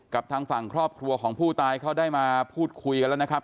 ทางฝั่งครอบครัวของผู้ตายเขาได้มาพูดคุยกันแล้วนะครับ